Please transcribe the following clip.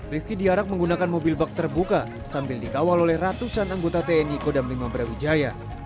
rifki diarak menggunakan mobil bak terbuka sambil dikawal oleh ratusan anggota tni kodam lima brawijaya